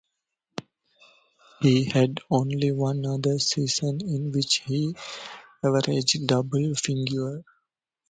He had only one other season in which he averaged double figures.